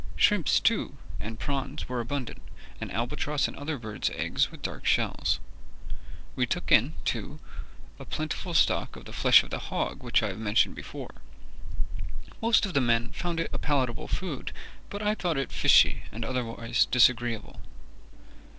Shrimps, too, and prawns were abundant, and albatross and other birds' eggs with dark shells. We took in, too, a plentiful stock of the flesh of the hog which I have mentioned before. Most of the men found it a palatable food, but I thought it fishy and otherwise disagreeable.